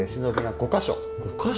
５か所？